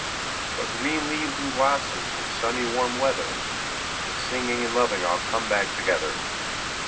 But green leaves, and blossoms, and sunny warm weather, 5 And singing, and loving all come back together.